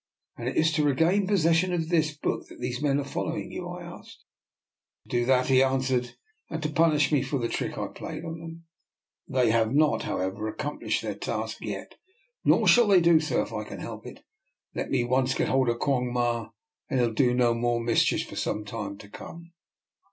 "And it is to regain possession of this 244 ^^ NIKOLA'S EXPERIMENT. book that these men are following you?" I asked. '' To do that," he answered, " and to punish me for the trick I played them. They have not, however, accomplished their task yet ; nor shall they do so if I can help it. Let me once get hold of Quong Ma, and he'll do no more mischief for some time to come."